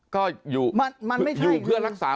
ก็อยู่เพื่อรักษา